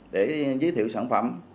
để giới thiệu sản phẩm